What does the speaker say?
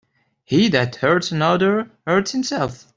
He that hurts another, hurts himself.